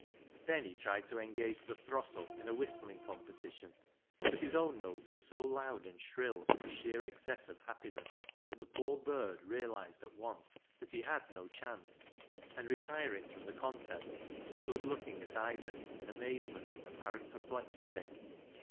Then he tried to engage the " throstle " in a whistling competition, but his own notes were so loud and shrill from sheer excess of happiness that the poor bird realised at once that he had no chance, and retiring from the contest, stood looking at Isaac in amazement and apparent perplexity.